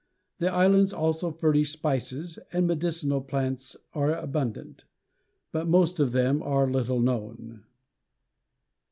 The islands also furnish spices and medicinal plants are abundant, but most of them are little known.